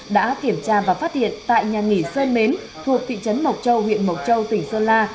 đã kiểm tra và phát hiện tại nhà nghỉ sơn mến thuộc thị trấn mộc châu huyện mộc châu tỉnh sơn la